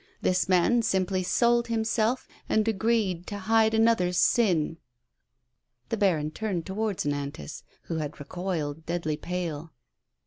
This man simply sold himself and agreed to hide another's sin." The baron turned towards Nantas, who had recoiled, deadly pale.